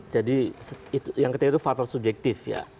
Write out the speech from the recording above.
yang ketiga itu faktor subjektif ya